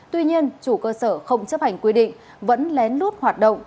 tuy nhiên chủ cơ sở không chấp hành quy định vẫn lén lút hoạt động